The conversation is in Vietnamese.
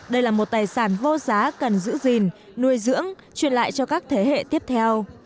đây là một tài sản vô giá cần giữ gìn nuôi dưỡng truyền lại cho các thế hệ tiếp theo